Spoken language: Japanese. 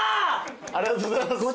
ありがとうございます。